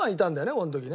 この時ね。